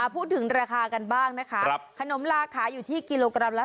พูดถึงราคากันบ้างนะคะขนมลาขายอยู่ที่กิโลกรัมละ